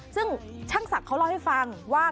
ซึ่งช่างศักดิ์เขาเล่าให้ฟังว่า